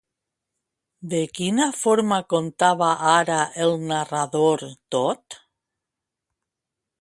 De quina forma contava ara el narrador tot?